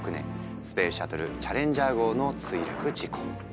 スペースシャトルチャレンジャー号の墜落事故。